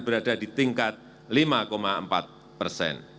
berada di tingkat lima empat persen